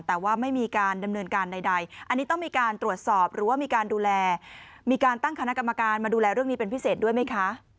แต่ว่าไม่มีการดำเนินการใดอันนี้ต้องมีการตรวจสอบหรือว่ามีการดูแลมีการตั้งคณะกรรมการมาดูแลเรื่องนี้เป็นพิเศษด้วยไหมคะ